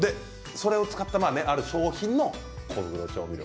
それを使った、ある商品の小袋調味料。